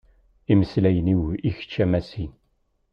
Imeslayen-iw i kečč a Masi.